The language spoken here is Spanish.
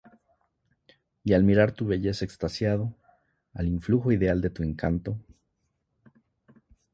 Y al mirar tu belleza extasiado, Al influjo ideal de tu encanto,